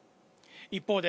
一方で、